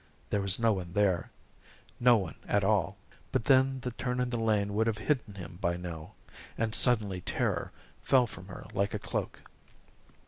There was no one there no one at all but then the turn in the lane would have hidden him by now. And suddenly terror fell from her like a cloak.